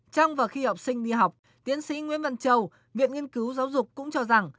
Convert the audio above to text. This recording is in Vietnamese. trong và khi học sinh đi học tiến sĩ nguyễn văn châu viện nghiên cứu giáo dục cũng cho rằng